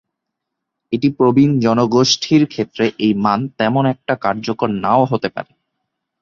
এটি প্রবীণ জনগোষ্ঠীর ক্ষেত্রে এই মান তেমন একটা কার্যকর নাও হতে পারে।